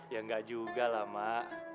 ya enggak juga lah mak